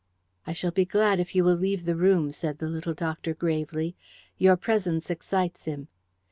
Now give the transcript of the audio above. "I shall be glad if you will leave the room," said the little doctor gravely. "Your presence excites him."